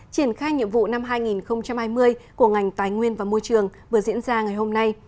triển khai nhiệm vụ năm hai nghìn hai mươi của ngành tài nguyên và môi trường vừa diễn ra ngày hôm nay